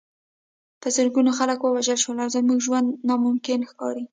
په زرګونو خلک ووژل شول او زموږ ژوند ناممکن ښکاري